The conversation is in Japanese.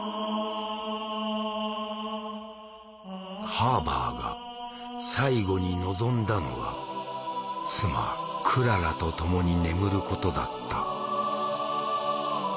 ハーバーが最後に望んだのは妻クララと共に眠ることだった。